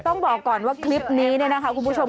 ต้องบอกก่อนว่าคลิปนี้เนี่ยนะคะคุณผู้ชม